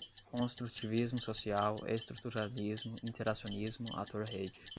construtivismo social, estruturalismo, interacionismo, ator-rede